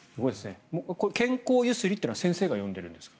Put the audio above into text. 健康揺すりってのは先生が呼んでいるんですか。